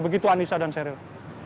begitu anissa dan sheryl